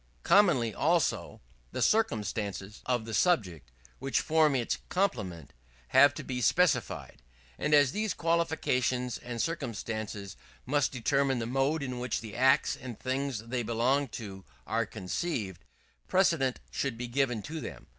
Commonly, also, the circumstances of the subject, which form its complement, have to be specified. And as these qualifications and circumstances must determine the mode in which the acts and things they belong to are conceived, precedence should be given to them.